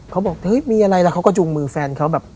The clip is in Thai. เขาบอกเฮ้ยมีอะไรแล้วเขาก็จุงมือแฟนเขาแบบ